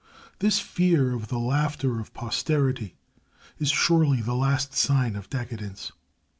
This fear of the laughter of posterity is surely the last sign of decadence.